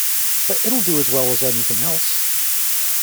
But it'll do as well as anything else!